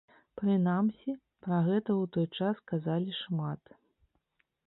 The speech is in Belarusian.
Прынамсі, пра гэта ў той час казалі шмат.